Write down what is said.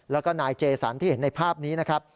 แล้วก็นายเจสันที่เห็นในภาพนี้นะครับ